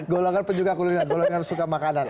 golongan penyuka kuliner golongan suka makanan